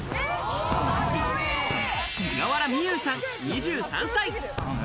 菅原美優さん、２３歳。